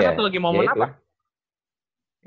atau lagi momen apa